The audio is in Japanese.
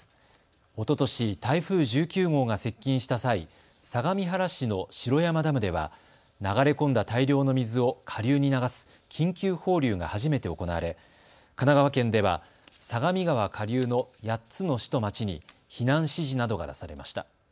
おととし台風１９号が接近した際、相模原市の城山ダムでは流れ込んだ大量の水を下流に流す緊急放流が初めて行われ神奈川県では相模川下流の８つの市と町に避難指示などが出されました。